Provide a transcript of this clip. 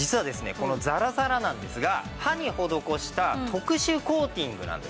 このザラザラなんですが刃に施した特殊コーティングなんですね。